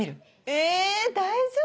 え大丈夫？